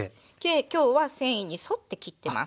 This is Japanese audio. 今日は繊維に沿って切ってます。